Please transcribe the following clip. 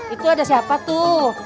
itu ada siapa tuh